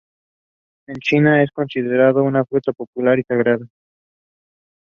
En China, es considerado una fruta popular y sagrada.